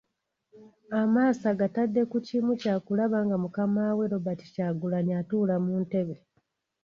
Amaaso agatadde ku kimu kyakulaba nga Mukama we, Robert Kyagulanyi atuula mu ntebe.